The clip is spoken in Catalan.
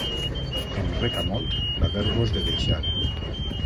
Em reca molt d'haver-vos de deixar.